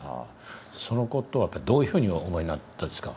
その事はどういうふうにお思いになったですか？